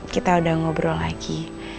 kita udah ngobrol lagi